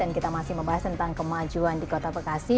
dan kita masih membahas tentang kemajuan di kota bekasi